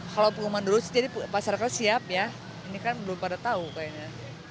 kalau pengumuman terus jadi pasarkan siap ya ini kan belum pada tahu kayaknya